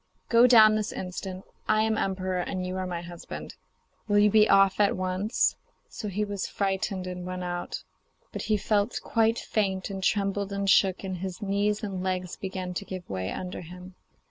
Go down this instant; I am emperor and you are my husband. Will you be off at once?' So he was frightened and went out; but he felt quite faint, and trembled and shook, and his knees and legs began to give way under him.